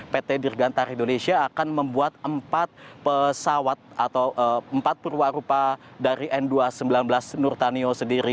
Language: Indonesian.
pt dirgantar indonesia akan membuat empat pesawat atau empat perwarupa dari n dua ratus sembilan belas nurtanio sendiri